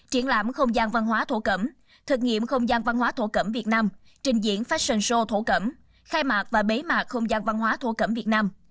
triển lãm không gian văn hóa thổ cẩm thực nghiệm không gian văn hóa thổ cẩm việt nam trình diễn faston show thổ cẩm khai mạc và bế mạc không gian văn hóa thổ cẩm việt nam